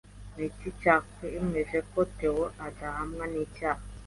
Ni iki cyakwemeje ko Theo adahamwa n'icyaha?